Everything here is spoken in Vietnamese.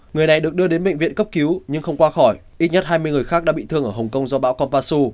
người này được đưa đến bệnh viện cấp cứu nhưng không qua khỏi ít nhất hai mươi người khác đã bị thương ở hồng kông do bão kopasu